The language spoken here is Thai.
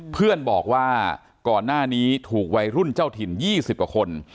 เพื่อนบอกว่าก่อนหน้านี้ถูกวัยรุ่นเจ้าถิ่น๒๐กว่าคน